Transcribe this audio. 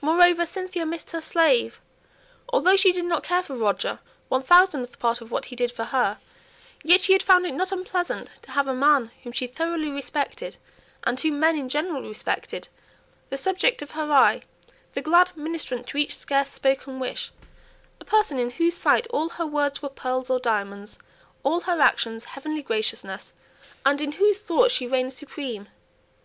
Moreover, Cynthia missed her slave, although she did not care for Roger one thousandth part of what he did for her; yet she had found it not unpleasant to have a man whom she thoroughly respected, and whom men in general respected, the subject of her eye, the glad ministrant to each scarce spoken wish, a person in whose sight all her words were pearls or diamonds, all her actions heavenly graciousness, and in whose thoughts she reigned supreme.